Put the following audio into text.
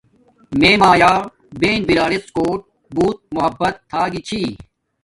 میے مایا بہن بِراریڎ کوٹ بوت محبت تھا گی چھی